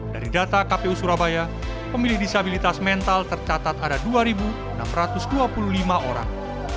dari data kpu surabaya pemilih disabilitas mental tercatat ada dua enam ratus dua puluh lima orang